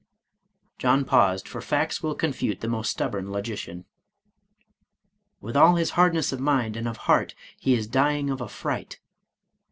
John paused, for facts will confute the most stubborn logician. " With all his hardness of mind, and of heart, he is dying of a fright.